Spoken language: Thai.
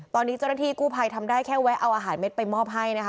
ตอนนี้เจ้าหน้าที่กู้ภัยทำได้แค่แวะเอาอาหารเม็ดไปมอบให้นะคะ